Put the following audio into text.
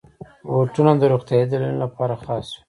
بوټونه د روغتیايي دلیلونو لپاره خاص وي.